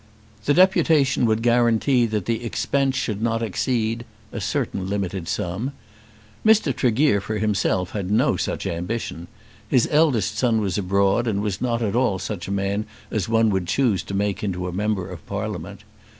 The deputation would guarantee that the expense should not exceed a certain limited sum. Mr. Tregear for himself had no such ambition. His eldest son was abroad and was not at all such a man as one would choose to make into a Member of Parliament.